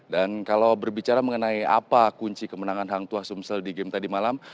dan kalau berbicara mengenai apa kunci kemenangan hangtua sumsel di game tadi malam